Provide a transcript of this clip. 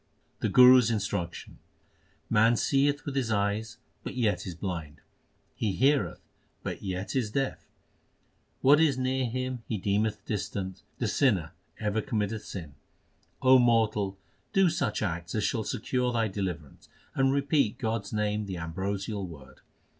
The Guru s instruction : Man seeth with his eyes, but yet is blind ; he heareth, but yet is deaf ; What is near him he deemeth distant ; the sinner ever committeth sin. O mortal, do such acts as shall secure thy deliverance, And repeat God s name the ambrosial word.